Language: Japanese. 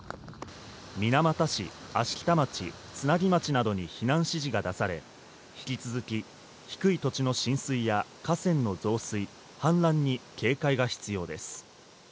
水俣市、芦北町、津奈木町などに避難指示が出され、引き続き低い土地の浸水や、河川の増水、はん濫に警戒が必要です。